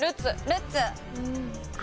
ルッツ。